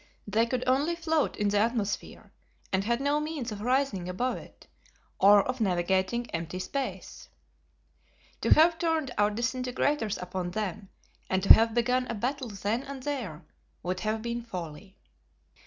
They could only float in the atmosphere, and had no means of rising above it, or of navigating empty space. To have turned our disintegrators upon them, and to have begun a battle then and there, would have been folly.